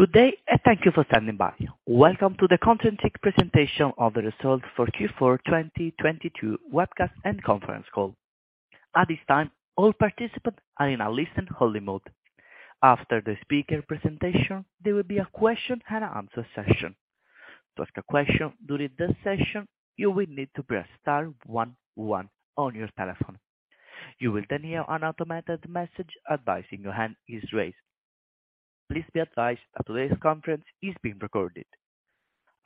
Good day, and thank you for standing by. Welcome to the Concentric AB presentation of the results for Q4 2022 webcast and conference call. At this time, all participants are in a listen-only mode. After the speaker presentation, there will be a Q&A session. To ask a question during this session, you will need to press star one one on your telephone. You will then hear an automated message advising your hand is raised. Please be advised that today's conference is being recorded.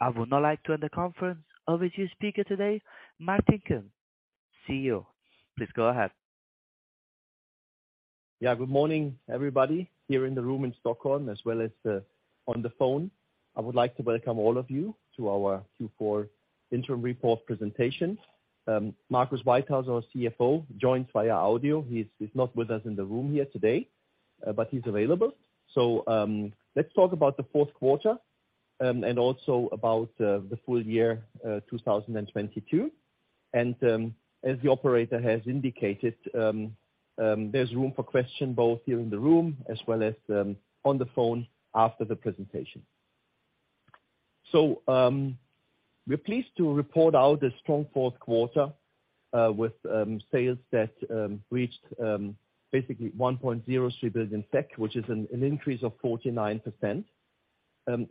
I would now like to hand the conference over to your speaker Martin Kunz, CEO. Please go ahead. Yeah, good morning, everybody here in the room in Stockholm as well as on the phone. I would like to welcome all of you to our Q4 interim report Marcus Whitehouse, our CFO, joins via audio. He's not with us in the room here today, but he's available. Let's talk about the Q4 and also about the full year 2022. As the operator has indicated, there's room for question both here in the room as well as on the phone after the presentation. We're pleased to report out a strong Q4 with sales that reached basically 1.03 billion SEK, which is an increase of 49%.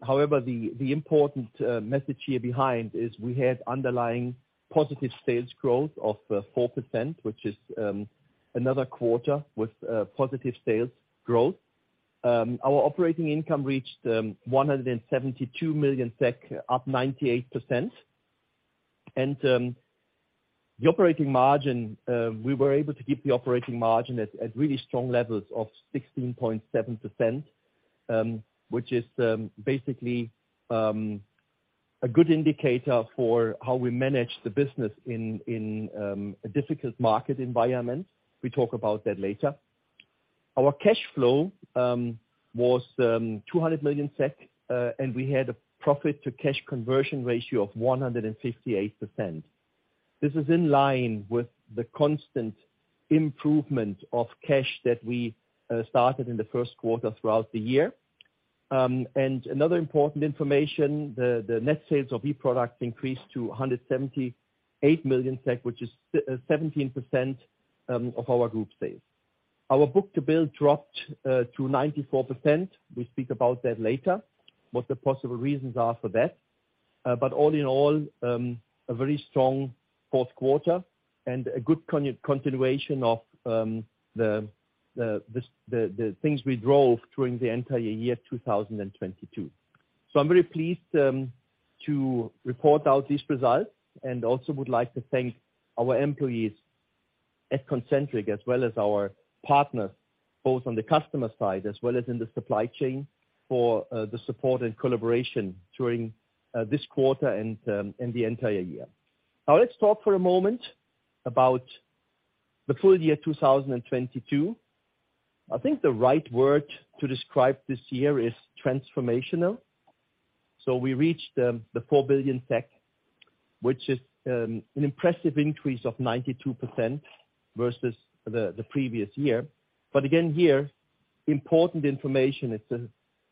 However, the important message here behind is we have underlying positive sales growth of 4%, which is another quarter with positive sales growth. Our operating income reached 172 million SEK, up 98%. The operating margin we were able to keep the operating margin at really strong levels of 16.7%, which is basically a good indicator for how we manage the business in a difficult market environment. We talk about that later. Our cash flow was 200 million SEK, we had a profit to cash conversion ratio of 158%. This is in line with the constant improvement of cash that we started in the Q1 throughout the year. Another important information, the net sales of e-products increased to 178 million SEK, which is 17% of our group sales. Our book-to-bill dropped to 94%. We speak about that later, what the possible reasons are for that. All in all, a very strong Q4 and a good continuation of the things we drove during the entire year, 2022. I'm very pleased to report out these results, and also would like to thank our employees at Concentric AB as well as our partners, both on the customer side as well as in the supply chain for the support and collaboration during this quarter and the entire year. Let's talk for a moment about the full year 2022. I think the right word to describe this year is transformational. We reached 4 billion, which is an impressive increase of 92% versus the previous year. Again, here, important information is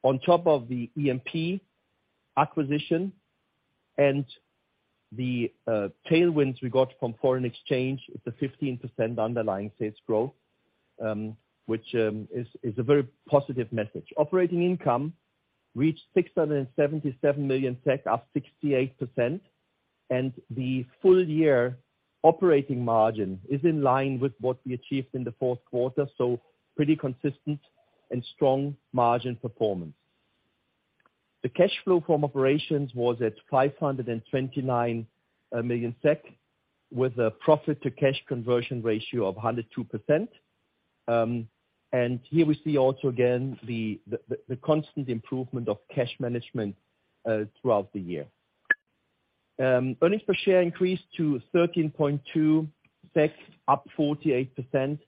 on top of the EMP acquisition and the tailwinds we got from foreign exchange with the 15% underlying sales growth, which is a very positive message. Operating income reached 677 million, up 68%. The full year operating margin is in line with what we achieved in the Q4, so pretty consistent and strong margin performance. The cash flow from operations was at 529 million SEK with a profit to cash conversion ratio of 102%. Here we see also again, the constant improvement of cash management throughout the year. Earnings per share increased to 13.2 SEK, up 48%.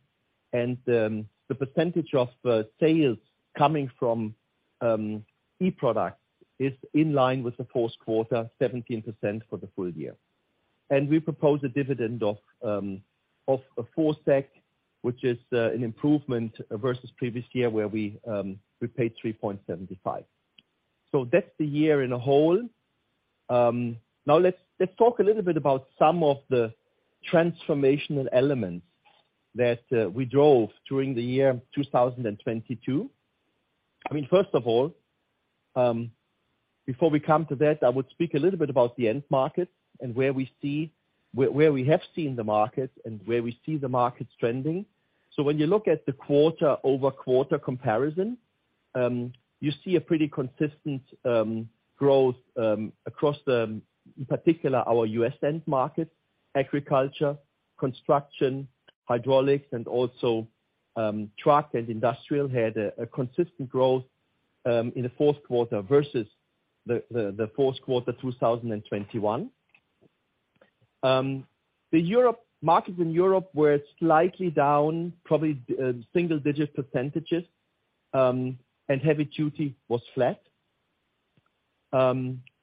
The percentage of sales coming from e-product is in line with the Q4, 17% for the full year. We propose a dividend of 4 SEK, which is an improvement versus previous year where we paid 3.75 SEK. That's the year in a whole. Now let's talk a little bit about some of the transformational elements that we drove during the year 2022. I mean, first of all, before we come to that, I would speak a little bit about the end markets and where we see where we have seen the markets and where we see the markets trending. When you look at the quarter-over-quarter comparison, you see a pretty consistent growth across the, in particular our U.S.-end markets, agriculture, construction, hydraulics and also, truck and industrial had a consistent growth in the Q4 versus the Q4 2021. The markets in Europe were slightly down, probably, single-digit percentages, and heavy-duty was flat.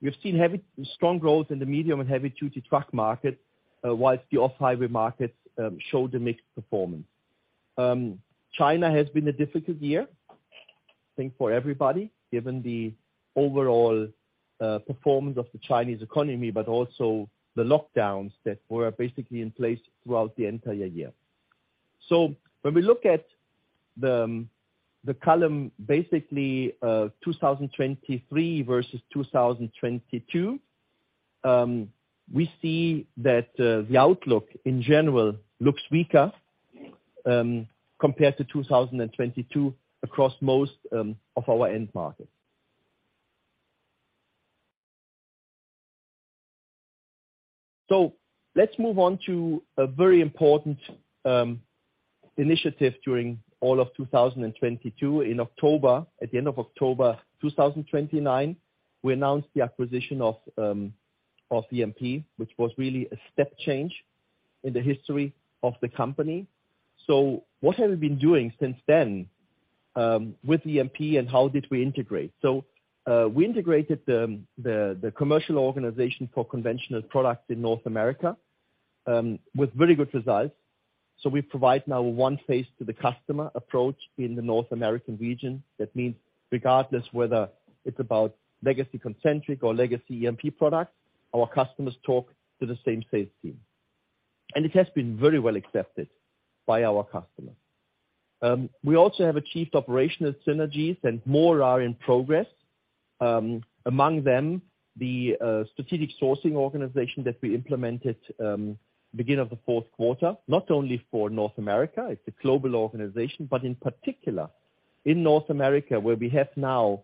We've seen strong growth in the medium and heavy-duty truck market, whilst the off-highway markets showed a mixed performance. China has been a difficult year, I think for everybody, given the overall performance of the Chinese economy, but also the lockdowns that were basically in place throughout the entire year. When we look at the column, basically, 2023 versus 2022, we see that the outlook in general looks weaker compared to 2022 across most of our end markets. Let's move on to a very important initiative during all of 2022. In October, at the end of October 2021, we announced the acquisition of EMP, which was really a step change in the history of the company. What have we been doing since then with EMP and how did we integrate? We integrated the commercial organization for conventional products in North America with very good results. We provide now a one face to the customer approach in the North American region. That means regardless whether it's about legacy Concentric AB or legacy EMP products, our customers talk to the same sales team, and it has been very well accepted by our customers. We also have achieved operational synergies and more are in progress, among them, the strategic sourcing organization that we implemented beginning of the Q4, not only for North America, it's a global organization. In particular, in North America, where we have now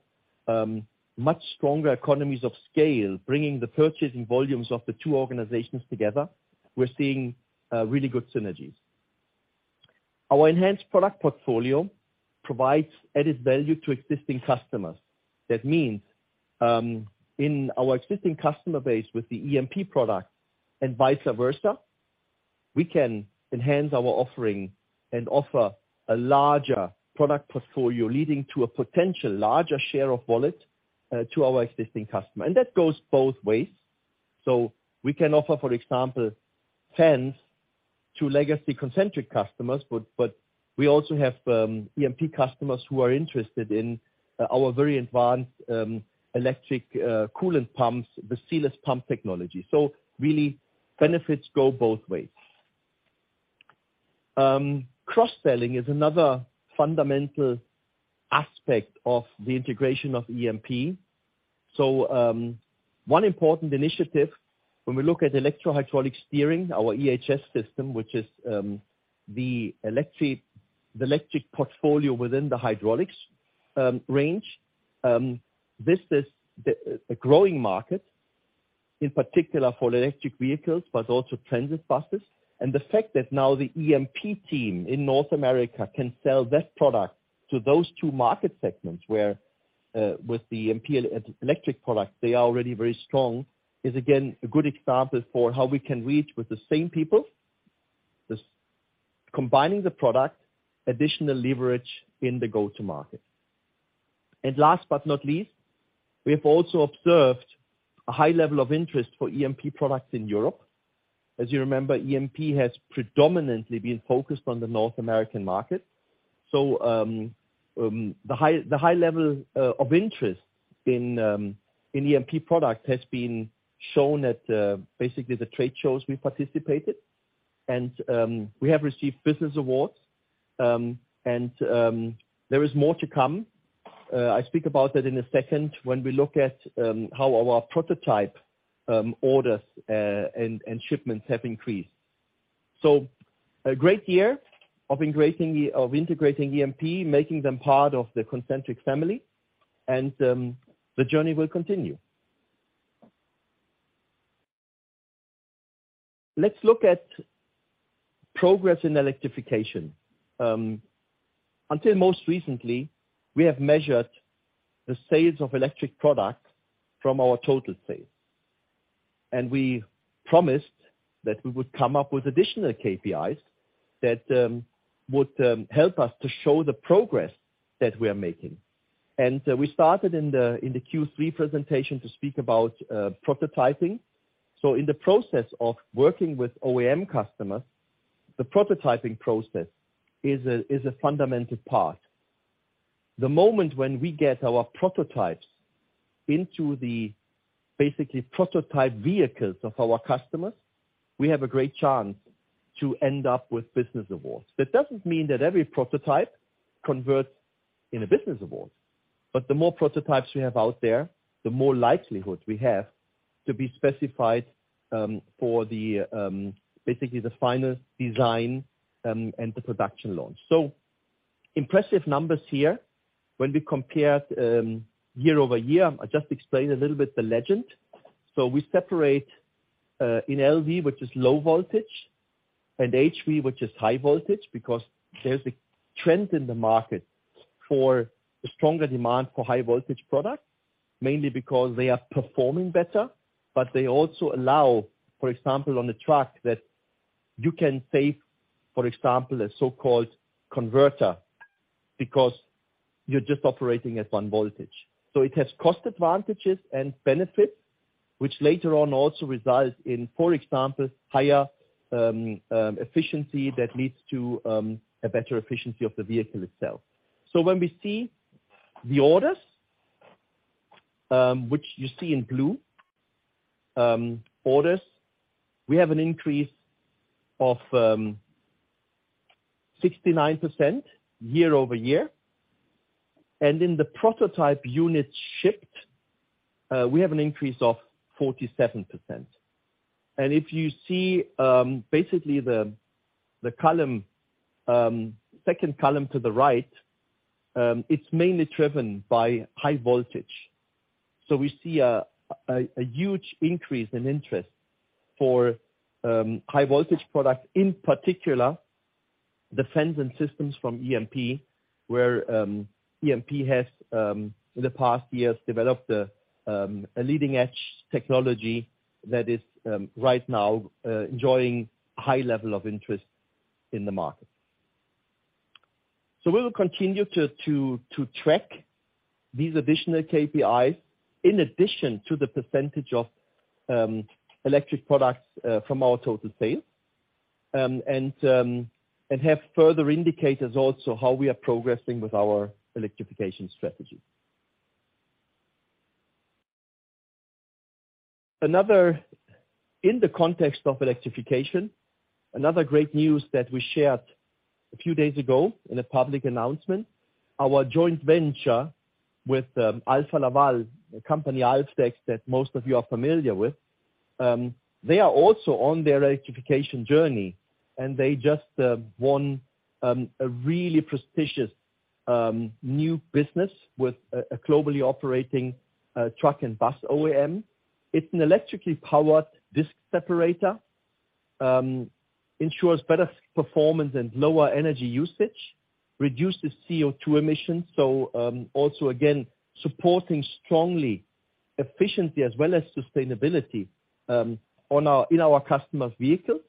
much stronger economies of scale, bringing the purchasing volumes of the two organizations together, we're seeing really good synergies. Our enhanced product portfolio provides added value to existing customers. That means, in our existing customer base with the EMP product and vice versa, we can enhance our offering and offer a larger product portfolio leading to a potential larger share of wallet to our existing customer. That goes both ways. We can offer, for example, fans to legacy Concentric AB customers, but we also have EMP customers who are interested in our very advanced electric coolant pumps, the sensorless pump technology. Really benefits go both ways. Cross-selling is another fundamental aspect of the integration of EMP. One important initiative when we look at electro-hydraulic steering, our EHS system, which is the electric portfolio within the hydraulics range. This is the, a growing market, in particular for electric vehicles, but also transit buses. The fact that now the EMP team in North America can sell that product to those two market segments where, with the EMP electric product, they are already very strong, is again a good example for how we can reach with the same people, just combining the product, additional leverage in the go-to market. Last but not least, we have also observed a high level of interest for EMP products in Europe. As you remember, EMP has predominantly been focused on the North American market. The high level of interest in EMP product has been shown at basically the trade shows we participated. We have received business awards, and there is more to come. I speak about that in a second when we look at how our prototype orders and shipments have increased. A great year of integrating EMP, making them part of the Concentric AB family and, the journey will continue. Let's look at progress in electrification. Until most recently, we have measured the sales of electric products from our total sales. We promised that we would come up with additional KPIs that would help us to show the progress that we are making. We started in the Q3 presentation to speak about prototyping. In the process of working with OEM customers, the prototyping process is a fundamental part. The moment when we get our prototypes into the basically prototype vehicles of our customers, we have a great chance to end up with business awards. That doesn't mean that every prototype converts in a business award, but the more prototypes we have out there, the more likelihood we have to be specified for the basically the final design and the production launch. Impressive numbers here when we compared year-over-year. I'll just explain a little bit the legend. We separate in LV, which is low voltage, and HV, which is high voltage, because there's a trend in the market for a stronger demand for high voltage products, mainly because they are performing better, but they also allow, for example, on a truck that you can save, for example, a so-called converter. Because you're just operating at one voltage. It has cost advantages and benefits, which later on also results in, for example, higher efficiency that leads to a better efficiency of the vehicle itself. When we see the orders, which you see in blue, orders, we have an increase of 69% year-over-year. In the prototype units shipped, we have an increase of 47%. If you see basically the column, second column to the right, it's mainly driven by high voltage. We see a huge increase in interest for high voltage products, in particular the fans and systems from EMP, where EMP has in the past years developed a leading-edge technology that is right now enjoying high level of interest in the market. We will continue to track these additional KPIs in addition to the % of electric products from our total sales, and have further indicators also how we are progressing with our electrification strategy. In the context of electrification, another great news that we shared a few days ago in a public announcement, our joint venture with Alfa Laval, the company Alfdex, that most of you are familiar with, they are also on their electrification journey, and they just won a really prestigious new business with a globally operating truck and bus OEM. It's an electrically powered disc separator, ensures better performance and lower energy usage, reduces CO2 emissions. Also again, supporting strongly efficiency as well as sustainability in our customers' vehicles.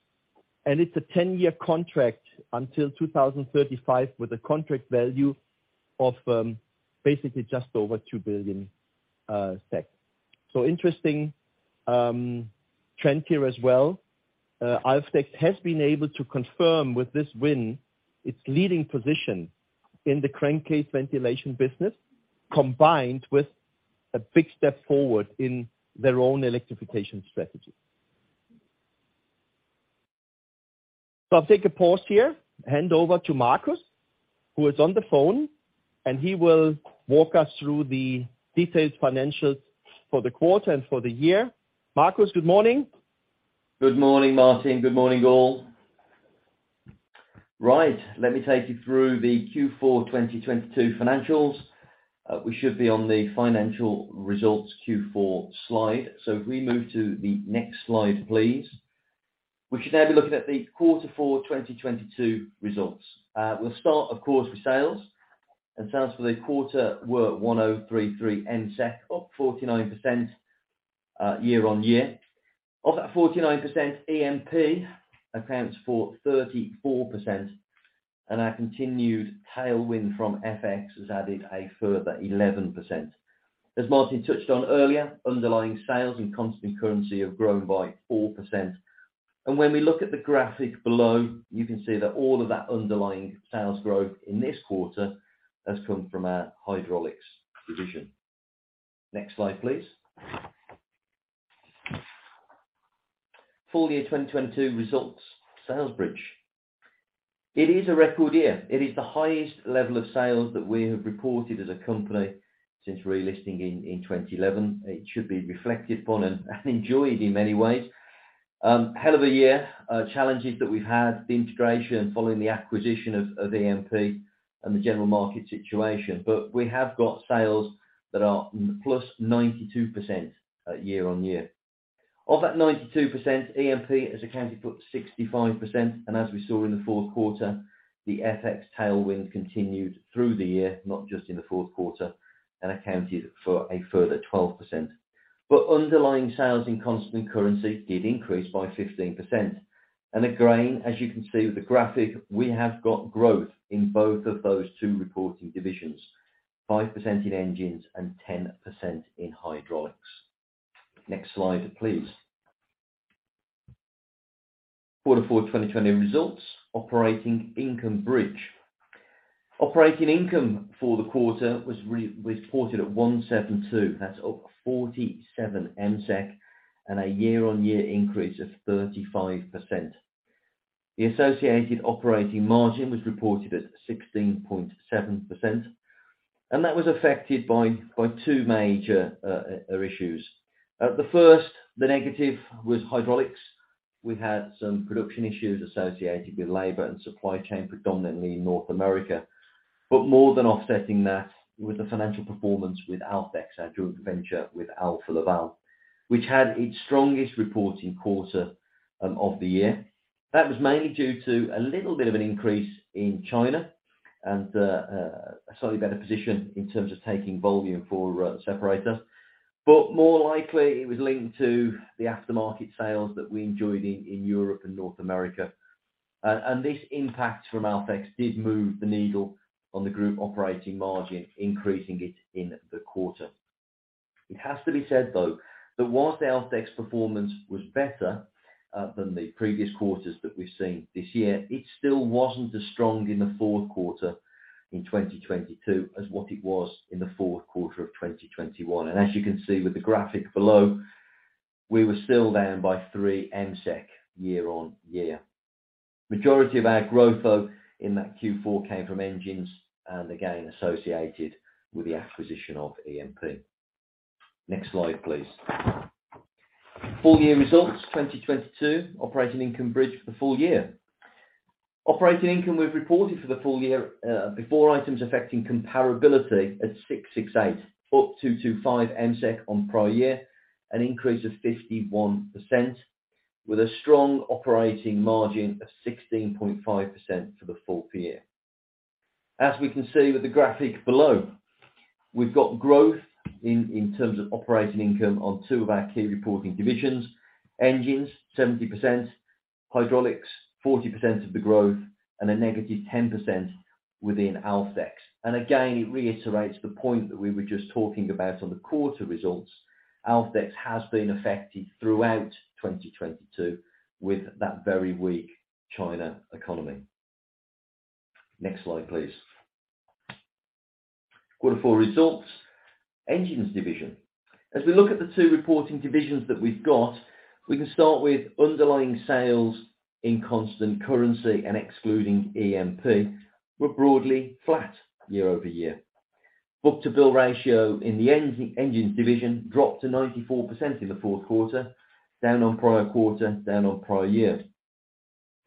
It's a 10-year contract until 2035, with a contract value of basically just over 2 billion SEK. Interesting trend here as well. Alfdex has been able to confirm with this win its leading position in the crankcase ventilation business, combined with a big step forward in their own electrification strategy. I'll take a pause here, hand over to Marcus Whitehouse, who is on the phone, and he will walk us through the detailed financials for the quarter and for the year. Marcus Whitehouse, good morning. Good morning, Martin Kunz. Good morning, all. Right, let me take you through the Q4 2022 financials. We should be on the financial results Q4 slide. If we move to the next slide, please. We should now be looking at the Q4 2022 results. We'll start, of course, with sales. Sales for the quarter were 1,033 MSEK, up 49% year-over-year. Of that 49%, EMP accounts for 34%, and our continued tailwind from FX has added a further 11%. As Martin Kunz touched on earlier, underlying sales and constant currency have grown by 4%. When we look at the graphic below, you can see that all of that underlying sales growth in this quarter has come from our hydraulics division. Next slide, please. Full year 2022 results, sales bridge. It is a record year. It is the highest level of sales that we have reported as a company since relisting in 2011. It should be reflected upon and enjoyed in many ways. Hell of a year. Challenges that we had, the integration following the acquisition of EMP and the general market situation. We have got sales that are +92% year-on-year. Of that 92%, EMP has accounted for 65%. As we saw in the Q4, the FX tailwind continued through the year, not just in the Q4, and accounted for a further 12%. Underlying sales in constant currency did increase by 15%. Again, as you can see with the graphic, we have got growth in both of those two reporting divisions, 5% in engines and 10% in hydraulics. Next slide, please. Q4 2020 results, operating income bridge. Operating income for the quarter was reported at 172 MSEK, that's up 47 MSEK and a year-on-year increase of 35%. The associated operating margin was reported at 16.7%. That was affected by two major issues. The first, the negative was hydraulics. We had some production issues associated with labor and supply chain, predominantly in North America. More than offsetting that was the financial performance with Alfdex, our joint venture with Alfa Laval, which had its strongest reporting quarter of the year. That was mainly due to a little bit of an increase in China and a slightly better position in terms of taking volume for our separators. More likely it was linked to the aftermarket sales that we enjoyed in Europe and North America. This impact from Alfdex did move the needle on the group operating margin, increasing it in the quarter. It has to be said though, that whilst the Alfdex performance was better than the previous quarters that we've seen this year, it still wasn't as strong in the Q4 in 2022 as what it was in the Q4 of 2021. As you can see with the graphic below, we were still down by 3 MSEK year-on-year. Majority of our growth though, in that Q4 came from engines and again, associated with the acquisition of EMP. Next slide, please. Full year results 2022 operating income bridge for the full year. Operating income we've reported for the full year, before items affecting comparability at 668 MSEK, up 225 MSEK on prior year, an increase of 51% with a strong operating margin of 16.5% for the full year. As we can see with the graphic below, we've got growth in terms of operating income on two of our key reporting divisions. Engines, 70%, hydraulics, 40% of the growth, and a -10% within Alfdex. Again, it reiterates the point that we were just talking about on the quarter results. Alfdex has been affected throughout 2022 with that very weak China economy. Next slide, please. Quarter four results. Engines division. As we look at the two reporting divisions that we've got, we can start with underlying sales in constant currency and excluding EMP, were broadly flat year-over-year. Book-to-bill ratio in the engines division dropped to 94% in the Q4, down on prior quarter, down on prior year.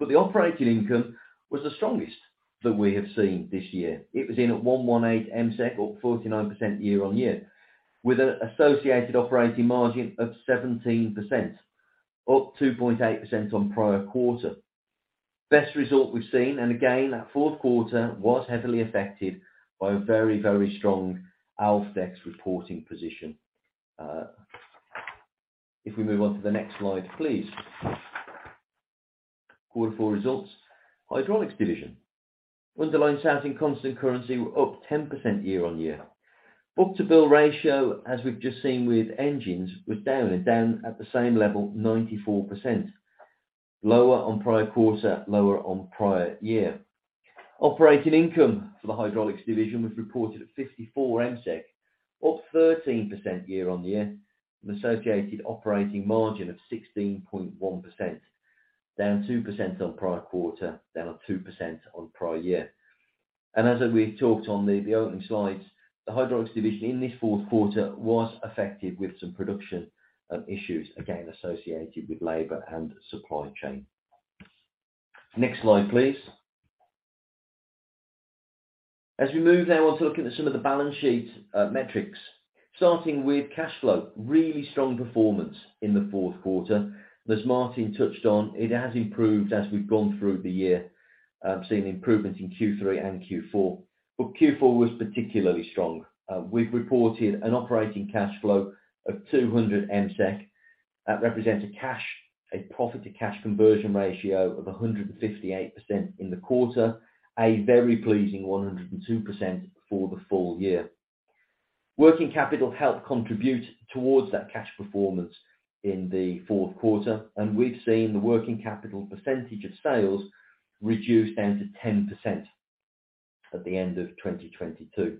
The operating income was the strongest that we have seen this year. It was in at 118 MSEK, up 49% year-on-year, with an associated operating margin of 17%, up 2.8% on prior quarter. Best result we've seen, again, that Q4 was heavily affected by a very strong Alfdex reporting position. If we move on to the next slide, please. Quarter four results. Hydraulics division. Underlying sales in constant currency were up 10% year-on-year. Book-to-bill ratio, as we've just seen with engines, was down at the same level, 94%. Lower on prior quarter, lower on prior year. Operating income for the hydraulics division was reported at 54 MSEK, up 13% year-on-year, and associated operating margin of 16.1%, down 2% on prior quarter, down 2% on prior year. As we talked on, the opening slides, the hydraulics division in this Q4 was affected with some production issues, again, associated with labor and supply chain. Next slide, please. As we move now on to looking at some of the balance sheet metrics, starting with cash flow, really strong performance in the Q4. As Martin Kunz touched on, it has improved as we've gone through the year, seeing improvement in Q3 and Q4, but Q4 was particularly strong. We've reported an operating cash flow of 200 MSEK. That represents a profit to cash conversion ratio of 158% in the quarter, a very pleasing 102% for the full year. Working capital helped contribute towards that cash performance in the Q4, and we've seen the working capital percentage of sales reduce down to 10% at the end of 2022.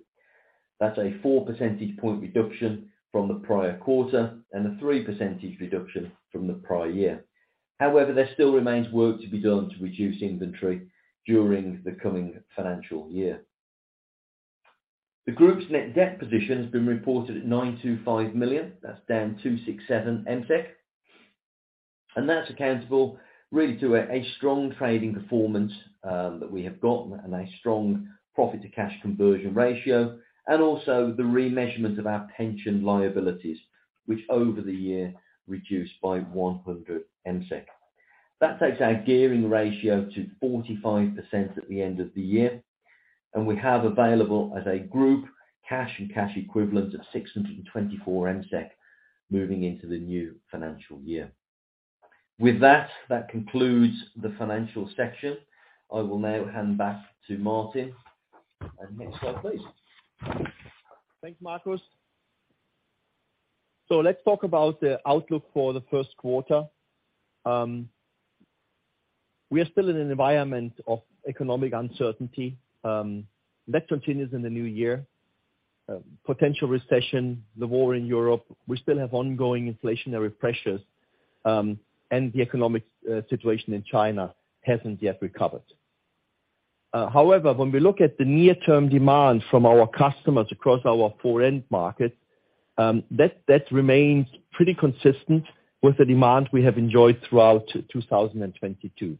That's a 4 percentage point reduction from the prior quarter and a 3 percentage reduction from the prior year. However, there still remains work to be done to reduce inventory during the coming financial year. The group's net debt position has been reported at 925 million. That's down 267 MSEK. That's accountable really to a strong trading performance that we have gotten and a strong profit to cash conversion ratio, and also the remeasurement of our pension liabilities, which over the year reduced by 100 MSEK. That takes our gearing ratio to 45% at the end of the year, and we have available as a group, cash and cash equivalent of 624 MSEK moving into the new financial year. With that concludes the financial section. I will now hand back to Martin Kunz. Next slide, please. Thanks, Marcus Whitehouse. Let's talk about the outlook for the Q1. We are still in an environment of economic uncertainty, that continues in the new year. Potential recession, the war in Europe, we still have ongoing inflationary pressures, and the economic situation in China hasn't yet recovered. However, when we look at the near term demand from our customers across our four-end markets, that remains pretty consistent with the demand we have enjoyed throughout 2022.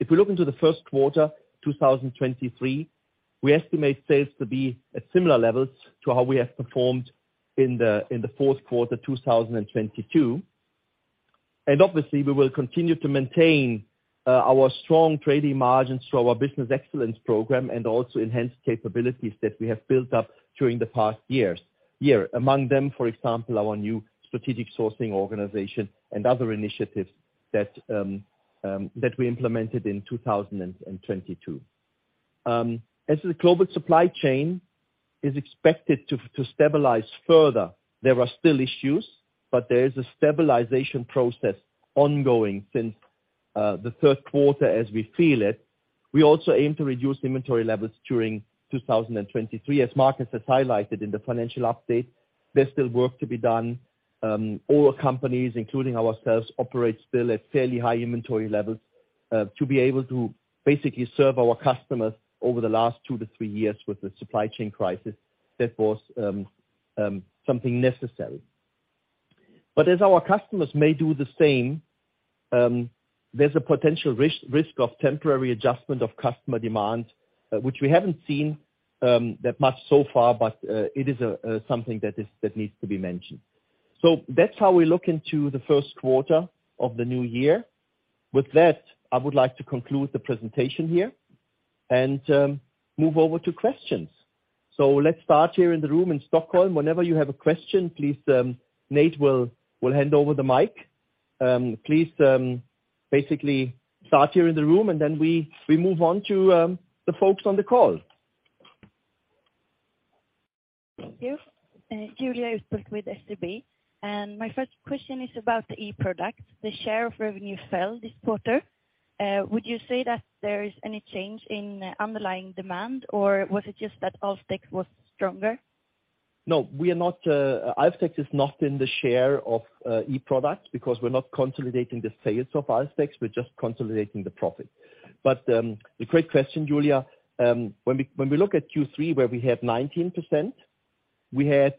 If we look into the Q1 2023, we estimate sales to be at similar levels to how we have performed in the Q4 2022. Obviously, we will continue to maintain our strong trading margins through our Concentric AB Business Excellence program and also enhanced capabilities that we have built up during the past year. Among them, for example, our new strategic sourcing organization and other initiatives that we implemented in 2022. As the global supply chain is expected to stabilize further, there are still issues, but there is a stabilization process ongoing since the Q3 as we feel it. We also aim to reduce inventory levels during 2023. All companies, including ourselves, operate still at fairly high inventory levels to be able to basically serve our customers over the last two years-three years with the supply chain crisis. That was something necessary. As our customers may do the same, there's a potential risk of temporary adjustment of customer demand, which we haven't seen that much so far, but it is something that is, that needs to be mentioned. That's how we look into the Q1 of the new year. With that, I would like to conclude the presentation here and move over to questions. Let's start here in the room in Stockholm. Whenever you have a question, please, Nate Nelson will hand over the mic. Please, basically start here in the room, and then we move on to the folks on the call. Thank Julia Utbult with SEB. My first question is about the e-products. The share of revenue fell this quarter. Would you say that there is any change in underlying demand, or was it just that Alfdex was stronger? No, we are not, Alfdex is not in the share of e-product because we're not consolidating the sales of Alfdex, we're just consolidating the profit. A great question, Julia Utbult. When we, when we look at Q3, where we have 19%, we had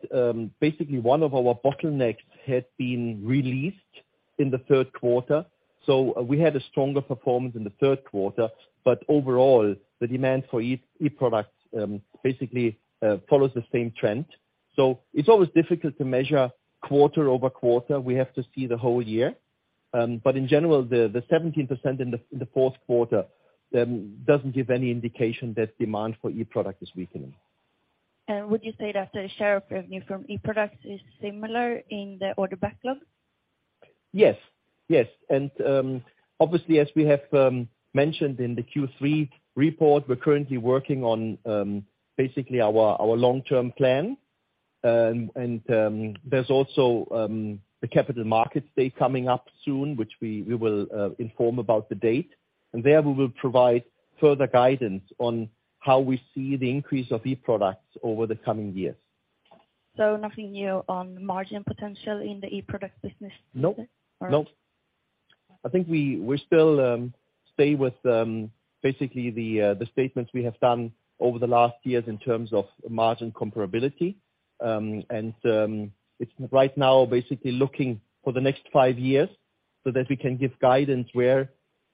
basically one of our bottlenecks had been released in the Q3. We had a stronger performance in the Q3. Overall, the demand for e-products, basically, follows the same trend. It's always difficult to measure quarter-over-quarter. We have to see the whole year. In general, the 17% in the Q4 doesn't give any indication that demand for e-product is weakening. Would you say that the share of revenue from e-products is similar in the order backlog? Yes. Yes. Obviously, as we have mentioned in the Q3 report, we're currently working on basically our long-term plan. There's also the capital markets day coming up soon, which we will inform about the date. There, we will provide further guidance on how we see the increase of e-products over the coming years. Nothing new on margin potential in the e-product business? No. No. All right. I think we still stay with basically the statements we have done over the last five years in terms of margin comparability. It's right now basically looking for the next five years so that we can give guidance where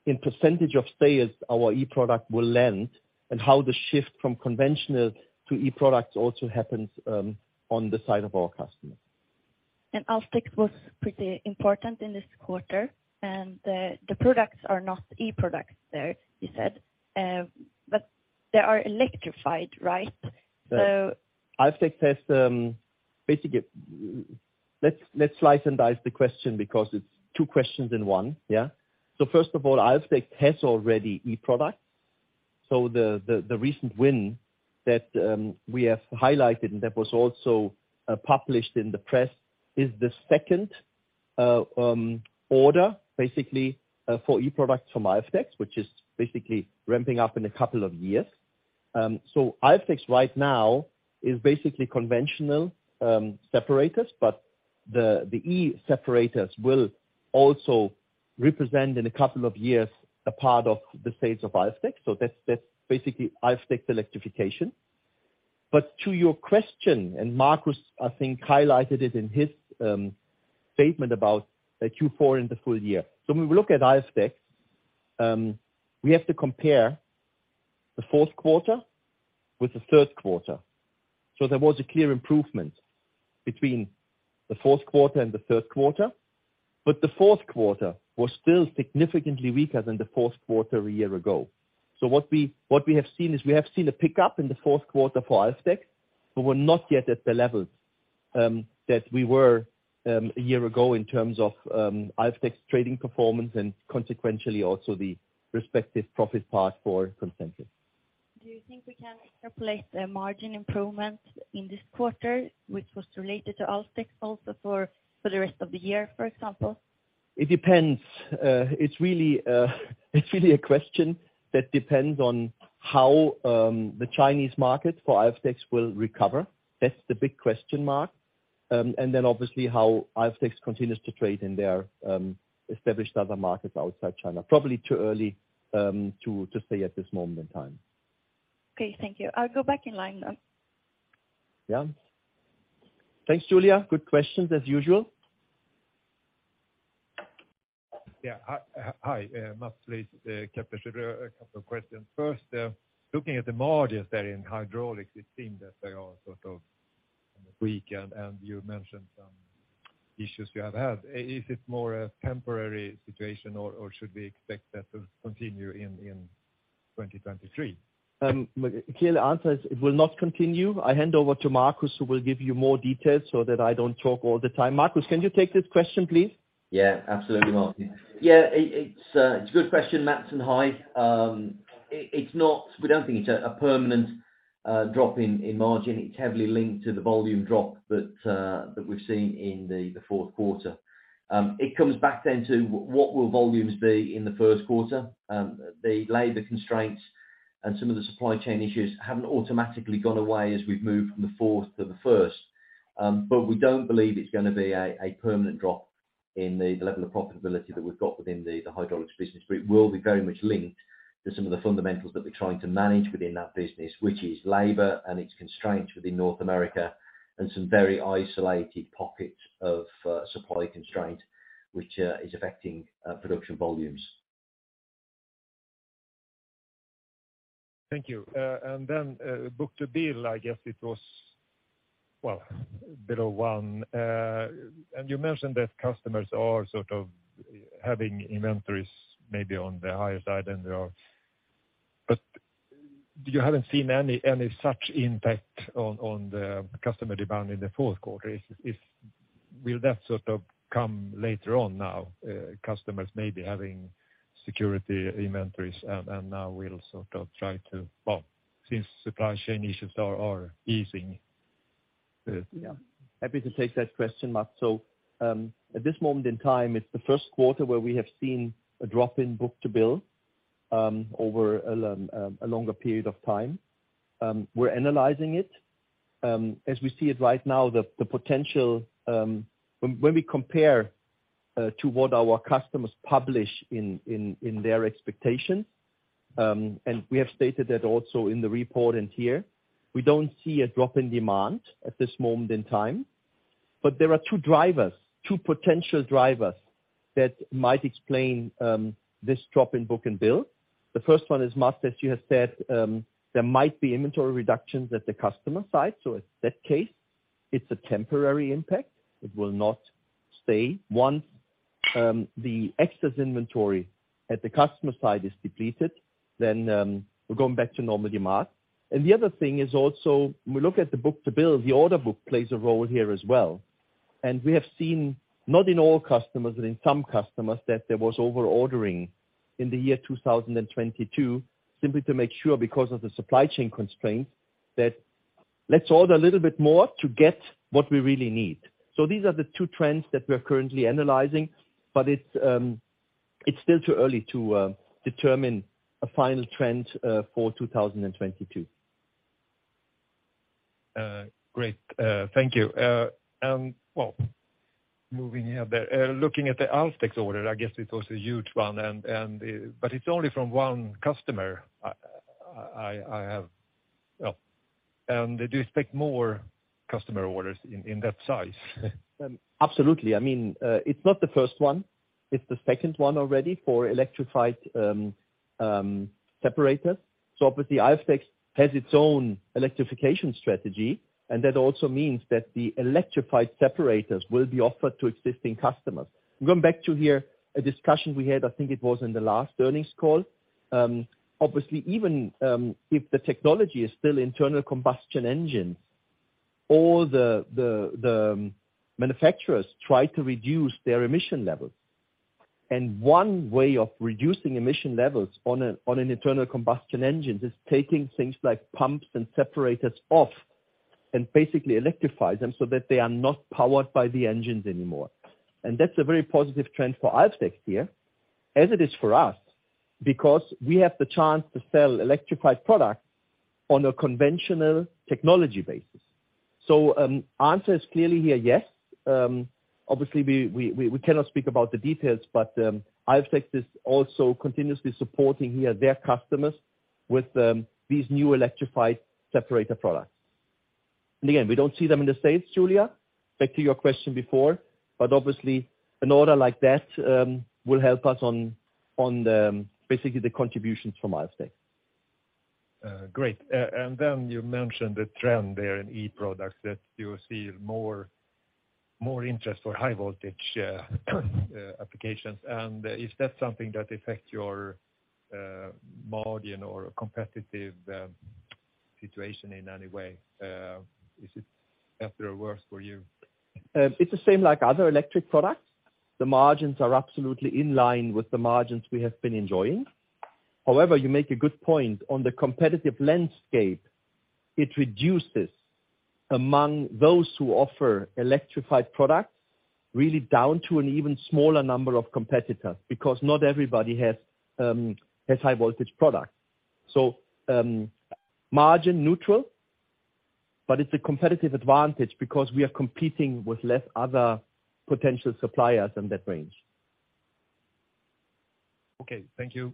in percentage of sales our e-product will land and how the shift from conventional to e-products also happens on the side of our customers. Alfdex was pretty important in this quarter, and the products are not e-products there, you said. They are electrified, right? Alfdex has basically. Let's slice and dice the question because it's two questions in one. Yeah. First of all, Alfdex has already e-products. The recent win that we have highlighted and that was also published in the press is the second order, basically, for e-products from Alfdex, which is basically ramping up in a couple of years. Alfdex right now is basically conventional separators, but the e-separators will also represent in a couple of years a part of the sales of Alfdex. That's basically Alfdex's electrification. To your question, and Marcus Whitehouse, I think, highlighted it in his statement about the Q4 and the full year. When we look at Alfdex, we have to compare the Q4 with the Q3. There was a clear improvement between the Q4 and the Q3. The Q4 was still significantly weaker than the Q4 a year ago. What we have seen is we have seen a pickup in the Q4 for Alfdex, but we're not yet at the levels that we were a year ago in terms of Alfdex's trading performance and consequentially also the respective profit path for Concentric AB. Do you think we can replace the margin improvement in this quarter, which was related to Alfdex also for the rest of the year, for example? It depends. It's really a question that depends on how the Chinese market for Alfdex will recover. That's the big question mark. Obviously how Alfdex continues to trade in their established other markets outside China. Probably too early to say at this moment in time. Okay. Thank you. I'll go back in line now. Yeah. Thanks, Julia Utbult. Good questions as usual. Yeah. Hi, Mats Liss, Kepler Cheuvreux. A couple of questions. First, looking at the margins there in hydraulics, it seemed that they are sort of weak, and you mentioned some issues you have had. Is it more a temporary situation or should we expect that to continue in 2023? The clear answer is it will not continue. I hand over to Marcus Whitehouse, who will give you more details so that I don't talk all the time. Marcus Whitehouse, can you take this question, please? Absolutely, Martin Kunz. It's a good question, Mats Liss, and hi. We don't think it's a permanent drop in margin. It's heavily linked to the volume drop that we've seen in the Q4. It comes back then to what will volumes be in the Q1. The labor constraints and some of the supply chain issues haven't automatically gone away as we've moved from the fourth to the first. We don't believe it's gonna be a permanent drop in the level of profitability that we've got within the hydraulics business. It will be very much linked to some of the fundamentals that we're trying to manage within that business, which is labor and its constraints within North America, and some very isolated pockets of supply constraint which is affecting production volumes. Thank you. Then, book-to-bill, I guess it was, well, below one. You mentioned that customers are sort of having inventories maybe on the higher side than they are. You haven't seen any such impact on the customer demand in the Q4. Will that sort of come later on now, customers maybe having security inventories, and now will sort of try to, well, since supply chain issues are easing? Happy to take that question, Mats Liss. At this moment in time, it's the Q1 where we have seen a drop in book-to-bill over a longer period of time. We're analyzing it. As we see it right now, the potential, when we compare to what our customers publish in their expectations, we have stated that also in the report and here, we don't see a drop in demand at this moment in time. There are two drivers, two potential drivers that might explain this drop in book and bill. The first one is, Mats Liss, as you have said, there might be inventory reductions at the customer side. If that case, it's a temporary impact. It will not stay. Once the excess inventory at the customer side is depleted, then we're going back to normal demand. The other thing is also, when we look at the book-to-bill, the order book plays a role here as well. We have seen, not in all customers, but in some customers, that there was over-ordering in the year 2022, simply to make sure, because of the supply chain constraints, that let's order a little bit more to get what we really need. These are the two trends that we're currently analyzing. It's still too early to determine a final trend for 2022. Great. Thank you. Well, moving here a bit. Looking at the Alfdex order, I guess it was a huge one and, but it's only from one customer. Well, do you expect more customer orders in that size? Absolutely. I mean, it's not the first one. It's the second one already for electrified separators. Obviously Alfdex has its own electrification strategy, and that also means that the electrified separators will be offered to existing customers. Going back to here, a discussion we had, I think it was in the last earnings call. Obviously even if the technology is still internal combustion engines, all the manufacturers try to reduce their emission levels. One way of reducing emission levels on an internal combustion engine is taking things like pumps and separators off, and basically electrify them so that they are not powered by the engines anymore. That's a very positive trend for Alfdex here, as it is for us, because we have the chance to sell electrified products on a conventional technology basis. Answer is clearly here, yes. Obviously we cannot speak about the details, but Alfdex is also continuously supporting here their customers with these new electrified separator products. Again, we don't see them in the States, Julia Utbult, back to your question before, but obviously an order like that will help us on the, basically the contributions from Alfdex. Great. Then you mentioned the trend there in e-products, that you see more interest for high voltage applications. Is that something that affect your margin or competitive situation in any way? Is it better or worse for you? It's the same like other electric products. The margins are absolutely in line with the margins we have been enjoying. You make a good point. On the competitive landscape, it reduces among those who offer electrified products really down to an even smaller number of competitors, because not everybody has high voltage products. Margin neutral, but it's a competitive advantage because we are competing with less other potential suppliers in that range. Okay. Thank you.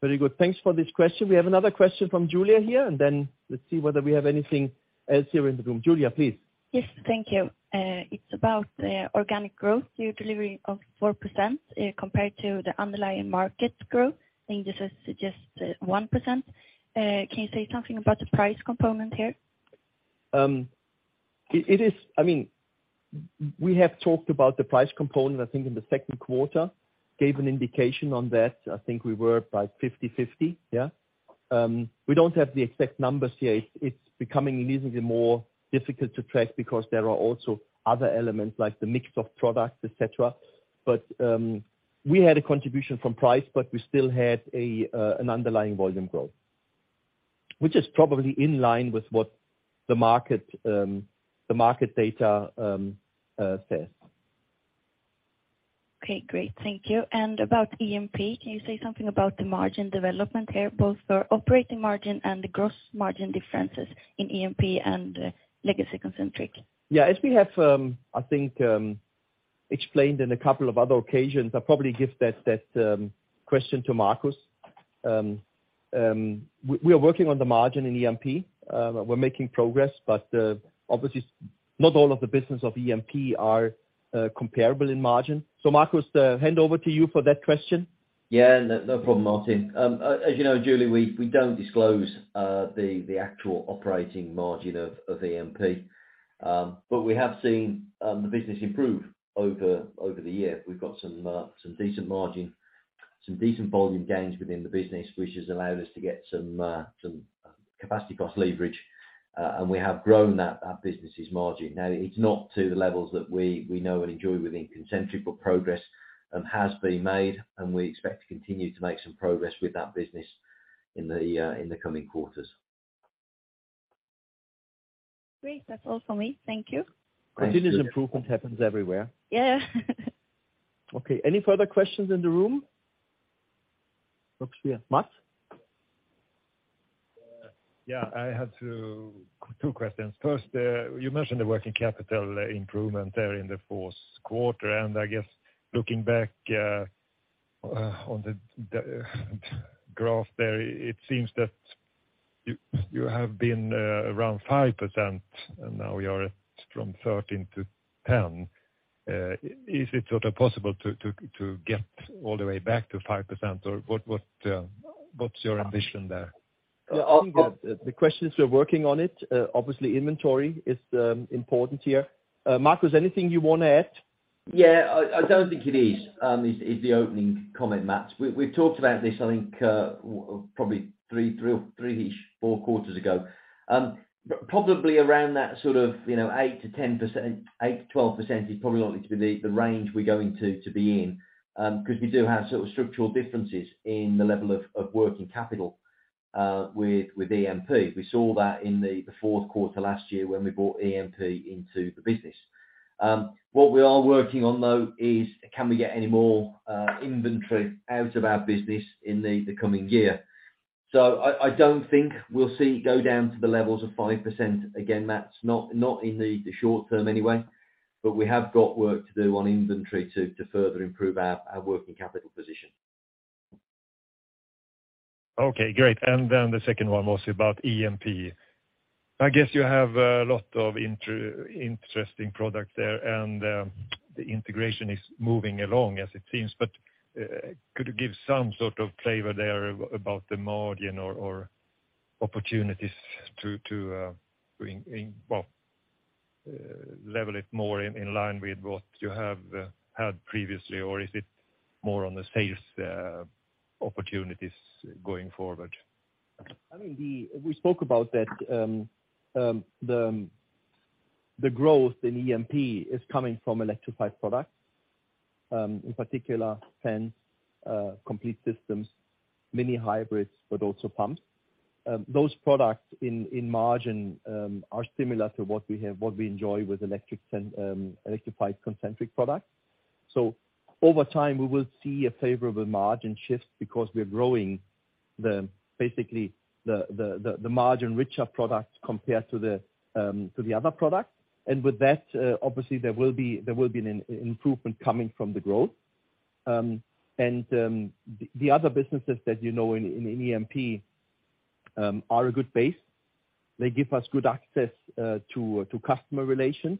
Very good. Thanks for this question. We have another question from Julia Utbult here, and then let's see whether we have anything else here in the room. Julia Utbult, please. Yes. Thank you. It's about the organic growth, your delivery of 4%, compared to the underlying market growth. I think this is just 1%. Can you say something about the price component here? I mean, it is. We have talked about the price component. I think in the Q2, gave an indication on that. I think we were about 50/50. We don't have the exact numbers here. It's becoming increasingly more difficult to track because there are also other elements like the mix of products, et cetera. We had a contribution from price, but we still had an underlying volume growth. Which is probably in line with what the market, the market data says. Okay, great. Thank you. About EMP, can you say something about the margin development there, both for operating margin and the gross margin differences in EMP and legacy Concentric AB? Yeah, as we have, I think, explained in a couple of other occasions, I'll probably give that question to Marcus Whitehouse. We are working on the margin in EMP. We're making progress, but obviously not all of the business of EMP are comparable in margin. Marcus Whitehouse, hand over to you for that question. No problem, Martin Kunz. As you know, Julia Utbult, we don't disclose the actual operating margin of EMP. We have seen the business improve over the year. We've got some decent margin, some decent volume gains within the business, which has allowed us to get some capacity cost leverage, and we have grown that business' margin. It's not to the levels that we know and enjoy within Concentric AB, but progress has been made, and we expect to continue to make some progress with that business in the coming quarters. Great. That's all for me. Thank you. Continuous improvement happens everywhere. Yeah. Okay. Any further questions in the room? Looks clear. Mats Liss? Yeah. I had two questions. First, you mentioned the working capital improvement there in the Q4, I guess looking back on the graph there, it seems that you have been around 5% and now you are from 13%-10%. Is it sort of possible to get all the way back to 5%? What's your ambition there? On the questions we're working on it, obviously inventory is important here. Marcus Whitehouse, anything you wanna add? Yeah. I don't think it is the opening comment, Mats Liss. We've talked about this I think, probably 3%-ish, 4 quarters ago. Probably around that sort of, you know, 8%-12% is probably likely to be the range we're going to be in, because we do have sort of structural differences in the level of working capital with EMP. We saw that in the Q4 last year when we brought EMP into the business. What we are working on though is can we get any more inventory out of our business in the coming year. I don't think we'll see go down to the levels of 5% again, Mats Liss, not in the short term anyway. We have got work to do on inventory to further improve our working capital position. Okay, great. The second one was about EMP. I guess you have a lot of interesting products there, and, the integration is moving along as it seems. Could you give some sort of flavor there about the margin or opportunities to, level it more in line with what you have had previously? Or is it more on the sales, opportunities going forward? I mean, we spoke about that. The growth in EMP is coming from electrified products, in particular fans, complete systems, mild hybrids, but also pumps. Those products in margin, are similar to what we have, what we enjoy with electric fan, electrified Concentric AB products. Over time, we will see a favorable margin shift because we're growing basically the margin richer products compared to the other products. With that, obviously there will be an improvement coming from the growth. The other businesses that you know in EMP, are a good base. They give us good access to customer relations.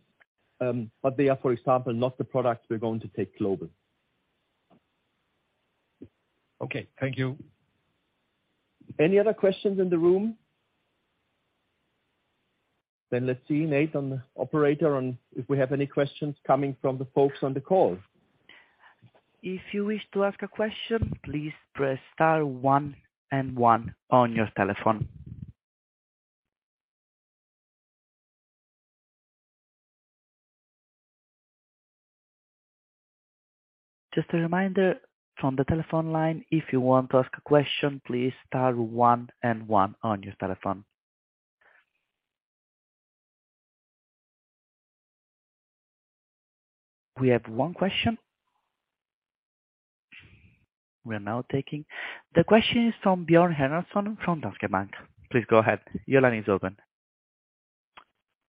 But they are, for example, not the products we're going to take global. Okay. Thank you. Any other questions in the room? Let's see, Nate Nelson, operator, on if we have any questions coming from the folks on the call. If you wish to ask a question, please press star one and one on your telephone. Just a reminder from the telephone line, if you want to ask a question, please star one and one on your telephone. We have one question. We are now taking. The question is from Björn Henriksson from Danske Bank. Please go ahead. Your line is open.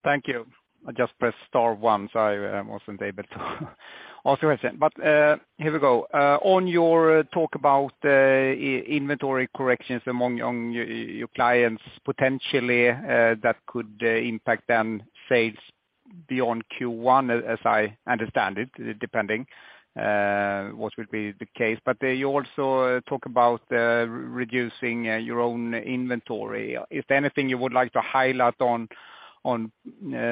Thank you. I just pressed star one, so I wasn't able to ask the question. Here we go. On your talk about inventory corrections among your clients potentially, that could impact then sales beyond Q1, as I understand it, depending what would be the case. You also talk about reducing your own inventory. Is there anything you would like to highlight on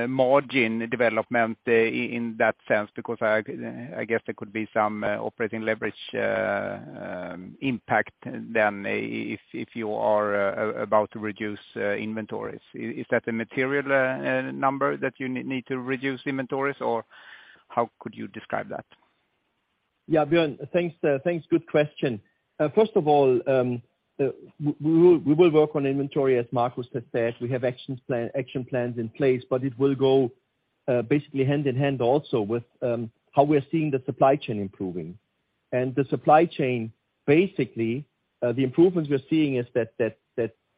margin development in that sense, because I guess there could be some operating leverage impact then, if you are about to reduce inventories. Is that a material number that you need to reduce inventories, or how could you describe that? Yeah, Björn Henriksson, thanks. Good question. First of all, we will work on inventory, as Marcus Whitehouse has said. We have action plans in place, but it will go basically hand-in-hand also with how we're seeing the supply chain improving. The supply chain, basically, the improvements we're seeing is that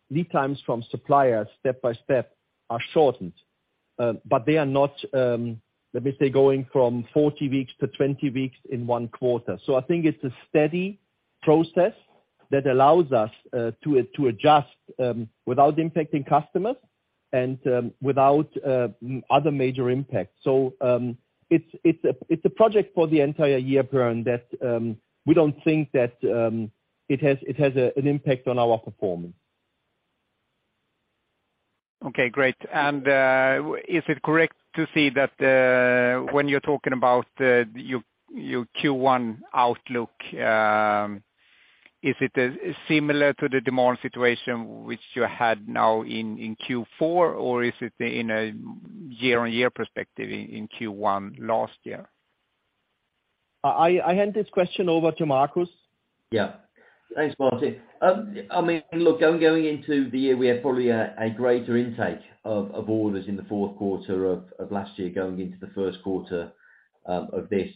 lead times from suppliers step by step are shortened. They are not, let me say, going from 40 weeks to 20 weeks in 1Q. I think it's a steady process that allows us to adjust without impacting customers and without other major impacts. It's a project for the entire year, Björn Henriksson, that we don't think that it has an impact on our performance. Okay, great. Is it correct to say that, when you're talking about, your Q1 outlook, is it similar to the demand situation which you had now in Q4? Or is it in a year-on-year perspective in Q1 last year? I hand this question over to Marcus Whitehouse. Yeah. Thanks, Martin Kunz. I mean, look, going into the year, we have probably a greater intake of orders in the Q4 of last year going into the Q1 of this.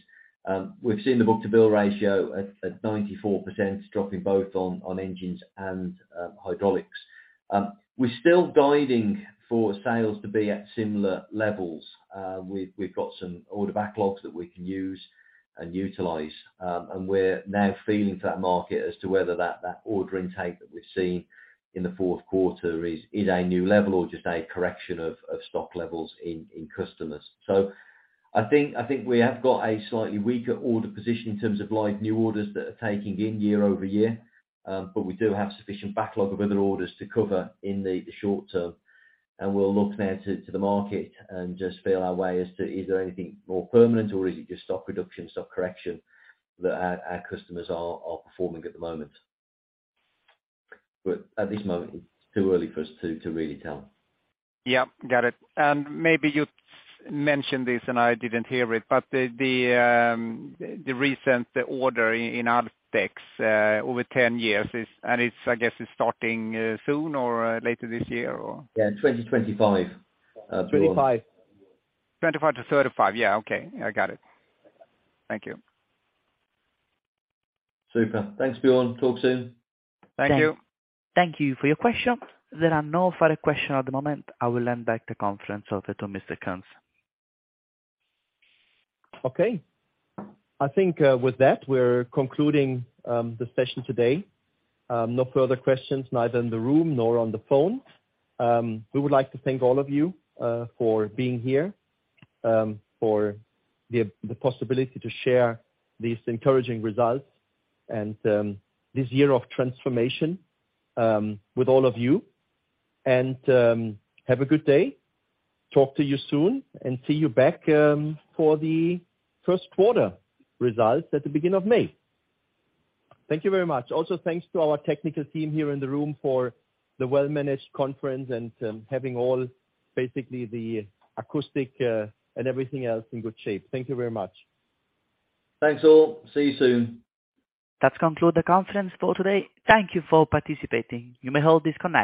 We've seen the book-to-bill ratio at 94%, dropping both on engines and hydraulics. We're still guiding for sales to be at similar levels. We've got some order backlogs that we can use and utilize. We're now feeling for that market as to whether that order intake that we've seen in the Q4 is a new level or just a correction of stock levels in customers. I think we have got a slightly weaker order position in terms of live new orders that are taking in year-over-year. We do have sufficient backlog of other orders to cover in the short term. We'll look now to the market and just feel our way as to is there anything more permanent or is it just stock reduction, stock correction that our customers are performing at the moment. At this moment, it's too early for us to really tell. Yeah. Got it. Maybe you mentioned this, and I didn't hear it, but the recent order in Alfdex over 10 years is, and it's, I guess it's starting soon or later this year, or? Yeah. 2025, Björn Henriksson. 2025. 2025-2035. Yeah. Okay. I got it. Thank you. Super. Thanks, Björn Henriksson. Talk soon. Thank you. Thank you for your question. There are no further question at the moment. I will hand back the conference over to Mr. Martin Kunz. Okay. I think, with that, we're concluding the session today. No further questions, neither in the room nor on the phone. We would like to thank all of you for being here for the possibility to share these encouraging results and this year of transformation with all of you. Have a good day, talk to you soon, and see you back for the Q1 results at the beginning of May. Thank you very much. Also, thanks to our technical team here in the room for the well-managed conference and having all basically the acoustic and everything else in good shape. Thank you very much. Thanks all. See you soon. That conclude the conference for today. Thank you for participating. You may hold disconnect.